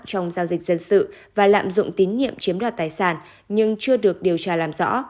trong giao dịch dân sự và lạm dụng tín nhiệm chiếm đoạt tài sản nhưng chưa được điều tra làm rõ